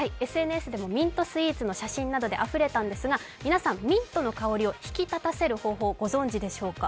ＳＮＳでもミントスイーツの写真などであふれたんですが皆さん、ミントの香りを引き立たせる方法、ご存じでしょうか。